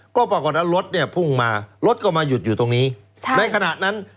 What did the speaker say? ก็ปรากฏว่ารถเนี่ยพุ่งมารถก็มาหยุดอยู่ตรงนี้ในขณะนั้น